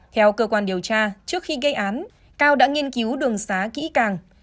theo cơ quan điều tra trước khi gây án cao đã nghiên cứu đường xá kỹ càng